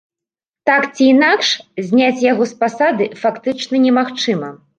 Так ці інакш, зняць яго з пасады фактычна немагчыма.